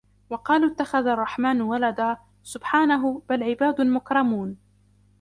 وقالوا اتخذ الرحمن ولدا سبحانه بل عباد مكرمون